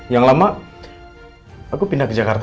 yang lama aku pindah ke jakarta